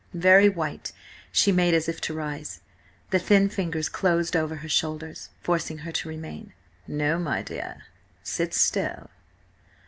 Very white, she made as if to rise. The thin fingers closed over her shoulders, forcing her to remain. "No, my dear. Sit still."